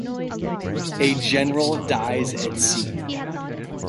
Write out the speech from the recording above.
"A General Dies at Sea"